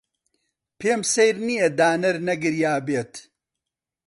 پێم سەیر نییە دانەر نەگریابێت.